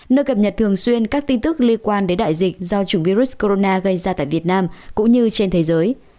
nơi cập nhật thường xuyên các tin tức liên quan đến đại dịch do chủng virus corona gây ra tại việt nam cũng như trên thế giới